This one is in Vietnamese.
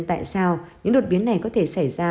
tại sao những đột biến này có thể xảy ra